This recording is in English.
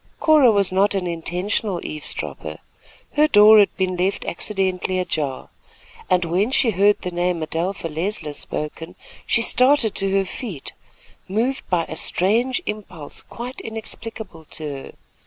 Cora was not an intentional eavesdropper. Her door had been left accidentally ajar, and when she heard the name Adelpha Leisler spoken, she started to her feet, moved by a strange impulse quite inexplicable to her.